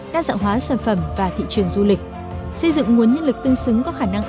đa dạng hóa sản phẩm và thị trường du lịch xây dựng nguồn nhân lực tương xứng có khả năng